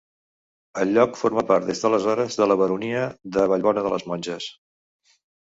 El lloc formà part des d'aleshores de la baronia de Vallbona de les Monges.